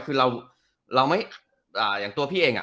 คือเราไม่อย่างตัวพี่เองอ่ะ